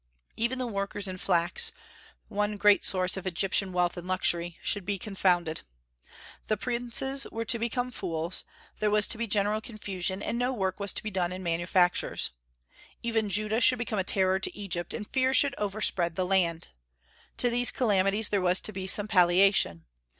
Even the workers in flax (one great source of Egyptian wealth and luxury) should be confounded. The princes were to become fools; there was to be general confusion, and no work was to be done in manufactures. Even Judah should become a terror to Egypt, and fear should overspread the land. To these calamities there was to be some palliation.